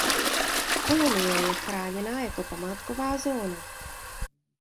Kolonie je chráněná jako památková zóna.